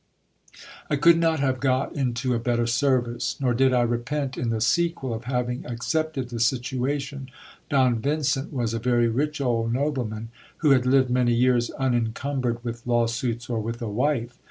I could not have got into a better service ; nor did I repent in the sequel of hiving accepted the situation. Don Vincent was a very rich old nobleman, who had lived many years unincumbered with lawsuits or with a wife.